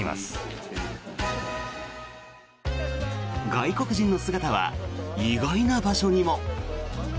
外国人の姿は意外な場所にも。